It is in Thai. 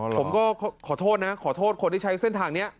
ผมก็ขอโทษนะขอโทษคนที่ใช้เส้นทางนี้